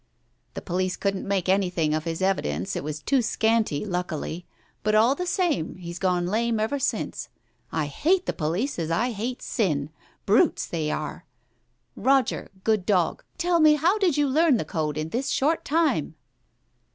The police couldn't make anything of his evidence — it was too scanty, luckily ; but all the same, he's gone lame ever since. I hate the police as I hate sin. ... Brutes they are !... Roger, good dog, tell me how did you learn the code in this short time